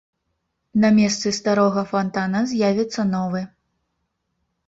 На месцы старога фантана з'явіцца новы.